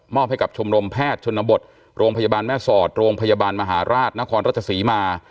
อบให้กับชมรมแพทย์ชนบทโรงพยาบาลแม่สอดโรงพยาบาลมหาราชนครราชศรีมา